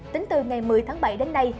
tính từ ngày một mươi tháng bảy đến nay